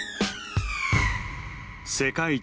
世界一